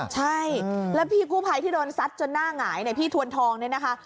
ใช่แล้วพี่กู้ภัยที่โดนซัดจนหน้าหงายเนี่ยพี่ทวนทองเนี่ยนะคะ